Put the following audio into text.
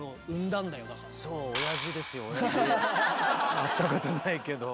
会ったことないけど。